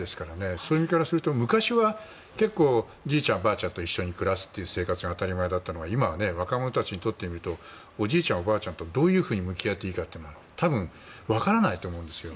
それからすると昔は結構じいちゃん、ばあちゃんと一緒に暮らす生活が当たり前だったのが今、若者たちにとってみるとおじいちゃん、おばあちゃんとどういうふうに向き合っていいのか分からないと思うんですよ。